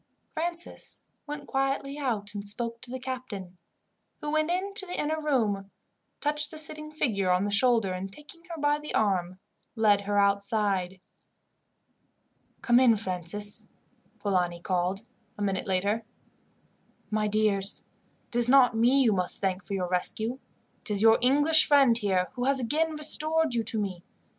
Francis went quietly out and spoke to the captain, who went in to the inner room, touched the sitting figure on the shoulder, and, taking her by the arm, led her outside. "Come in, Francis," Polani called a minute later. "My dears, it is not me you must thank for your rescue. It is your English friend here who has again restored you to me.